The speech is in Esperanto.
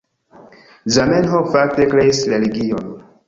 Zamenhof fakte kreis religion.